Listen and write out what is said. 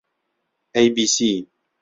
ئەی بی سی